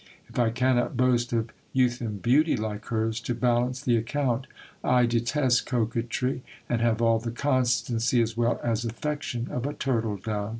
If I cannot boast of youth and beauty like hers, to balance the account, I detest coquetry, and have all the constancy as well as affection of a turtle dove.